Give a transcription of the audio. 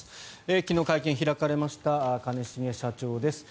昨日会見が開かれました兼重社長です。